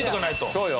そうよ。